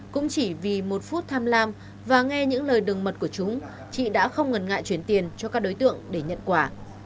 cũng chỉ vì một phút tham lam và nghe những lời đừng mật của chúng chị đã không ngần ngại chuyển tiền cho các đối tượng để nhận quà